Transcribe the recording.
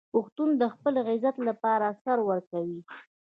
پښتون د خپل عزت لپاره سر ورکوي.